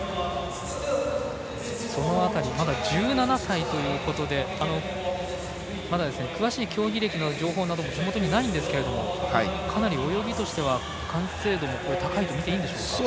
その辺りまだ１７歳ということでまだ詳しい競技歴の情報なども手元にないんですけれどもかなり泳ぎとしては完成度も高いとみていいでしょうか。